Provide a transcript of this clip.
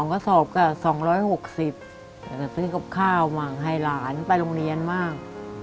๒กระสอบก็๒๖๐บาทซื้อขับข้าวมาให้หลานไปโรงเรียนมาก